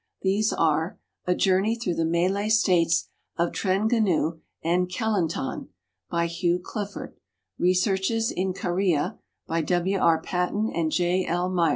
These are, "A Journey Through the Malay States of Trengganu and Kelantan," by Hugh Clifford; '^'Researches in Karia," by W. R. Paton and J. L.